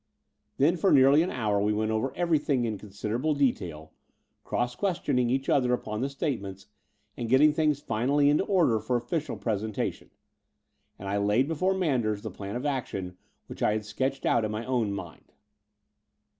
Then for nearly an hour we went over everything in considerable detail, cross questioning each other upon the statements, and getting things finally into order for official presentation: and I laid before Manders the plan of action which I had sketched out in my own mind.